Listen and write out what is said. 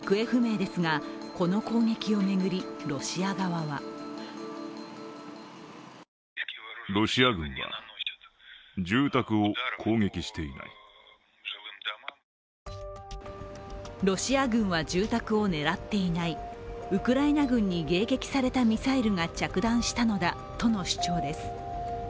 ２５人が行方不明ですがこの攻撃を巡り、ロシア側はロシア軍は住宅を狙っていない、ウクライナ軍に迎撃されたミサイルが着弾したのだとの主張です。